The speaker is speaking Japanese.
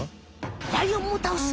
ライオンもたおす！